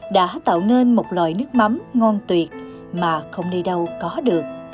đã tạo nên một loài nước mắm ngon tuyệt mà không nơi đâu có được